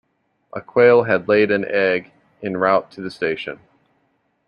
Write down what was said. A quail had laid an egg en route to the station.